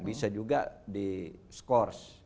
bisa juga di scores